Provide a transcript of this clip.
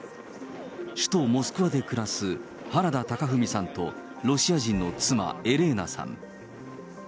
首都モスクワで暮らす原田貴史さんとロシア人の妻、エレーナさん。